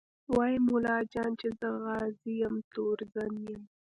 وايي ملا جان چې زه غازي یم تورزن یم